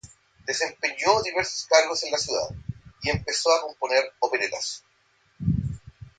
Desempeñó diversos cargos en la ciudad, y empezó a componer operetas.